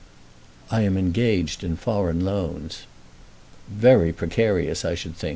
"I am engaged in foreign loans." "Very precarious I should think.